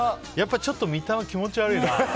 ちょっと見た目気持ち悪いな。